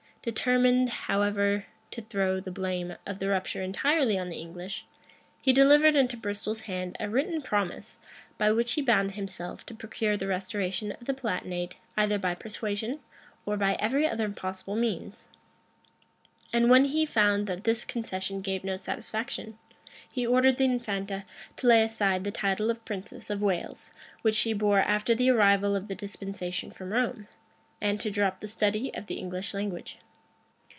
Determined, however to throw the blame of the rupture entirely on the English, he delivered into Bristol's hand a written promise, by which he bound himself to procure the restoration of the Palatinate either by persuasion, or by every other possible means; and when he found that this concession gave no satisfaction, he ordered the infanta to lay aside the title of princess of Wales which she bore after the arrival of the dispensation from Rome, and to drop the study of the English language.